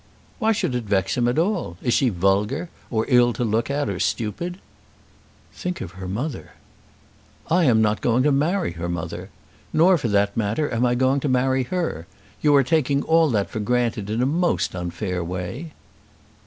"Why should it vex him at all? Is she vulgar, or ill to look at, or stupid?" "Think of her mother." "I am not going to marry her mother. Nor for the matter of that am I going to marry her. You are taking all that for granted in a most unfair way."